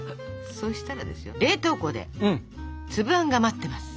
そしたらですよ冷凍庫で粒あんが待ってます。